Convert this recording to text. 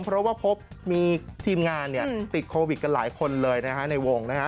เพราะว่าพบมีทีมงานติดโควิดกันหลายคนเลยในวง